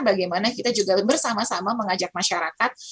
bagaimana kita juga bersama sama mengajak masyarakat